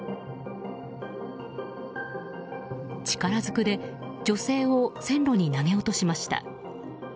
力ずくで女性を線路に投げ落としました。